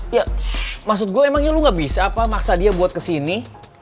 ya maksud gue emangnya lu gak bisa pak maksa dia buat kesini